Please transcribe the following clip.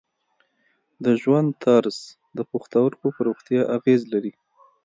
د ژوند طرز د پښتورګو پر روغتیا اغېز لري.